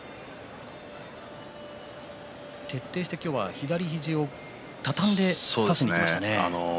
徹底して今日は左肘を畳んで差しにいきましたね。